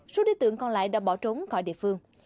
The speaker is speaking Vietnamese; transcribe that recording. số đối tượng còn lại đã bỏ trốn khỏi địa phương